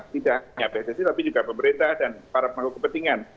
tidak hanya pssi tapi juga pemerintah dan para pemangku kepentingan